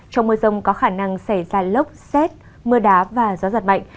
trong mưa rông có khả năng xảy ra lốc xét mưa đá và gió giật mạnh